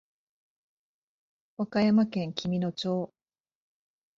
和歌山県紀美野町